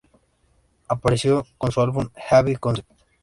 Apareció en su álbum "Heavy Concept".